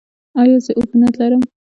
ایا زه عفونت لرم؟